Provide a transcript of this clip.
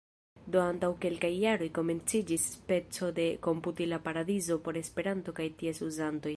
Do antaŭ kelkaj jaroj komenciĝis speco de komputila paradizo por Esperanto kaj ties uzantoj.